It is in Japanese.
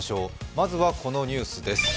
まずはこのニュースです。